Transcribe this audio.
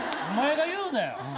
お前が言うなや。